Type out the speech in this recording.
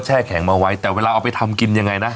แข็งมาไว้แต่เวลาเอาไปทำกินยังไงนะ